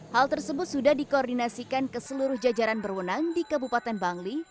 hal tersebut sudah dikoordinasikan ke seluruh jajaran berwenang di kabupaten bangli